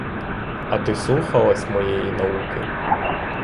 А ти слухалась моєї науки?